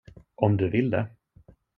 Om du vill det.